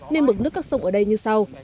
nên mực nước các sông ở đây như sau